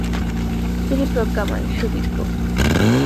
তিনি প্রজ্ঞাময়, সুবিজ্ঞ।